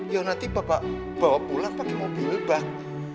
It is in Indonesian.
ya nanti bapak bawa pulang pakai mobil ini bak